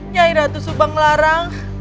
nyai ratu subanglarang